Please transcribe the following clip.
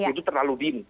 itu terlalu dingin